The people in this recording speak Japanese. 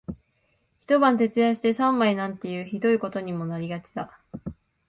一晩徹夜して三枚なんていう酷いことにもなりがちだ